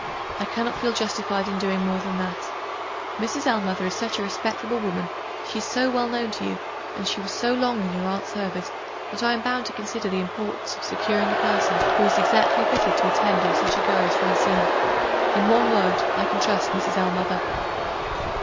I cannot feel justified in doing more than that. Mrs. Ellmother is such a respectable woman; she is so well known to you, and she was so long in your aunt's service, that I am bound to consider the importance of securing a person who is exactly fitted to attend on such a girl as Francine. In one word, I can trust Mrs. Ellmother."